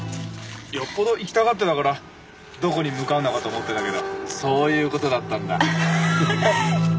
よっぽど行きたがってたからどこに向かうのかと思ってたけどそういう事だったんだ。